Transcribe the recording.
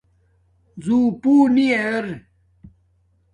زوں پُو نی ار